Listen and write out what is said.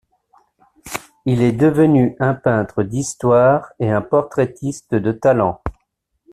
Il est devenu un peintre d'histoire et un portraitiste de talent.